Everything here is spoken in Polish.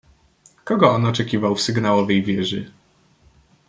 "Kogo on oczekiwał w sygnałowej wieży?"